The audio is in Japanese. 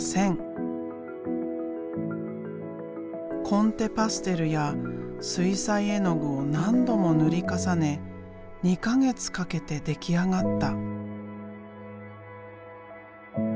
コンテパステルや水彩絵の具を何度も塗り重ね２か月かけて出来上がった。